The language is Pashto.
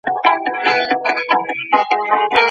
ولي محنتي ځوان د لایق کس په پرتله هدف ترلاسه کوي؟